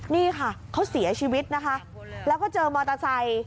นี่ค่ะเขาเสียชีวิตนะคะแล้วก็เจอมอเตอร์ไซค์